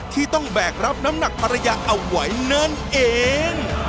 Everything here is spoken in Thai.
ที่ต้องแบกรับน้ำหนักภรรยาเอาไว้นั่นเอง